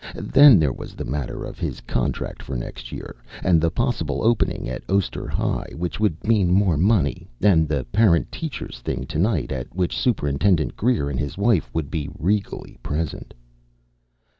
Then there was the matter of his contract for next year, and the possible opening at Oster High which would mean more money, and the Parent Teachers thing tonight at which Superintendent Greer and his wife would be regally present.